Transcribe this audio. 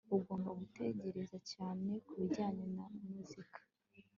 Ugomba gutekereza cyane kubijyanye na muzika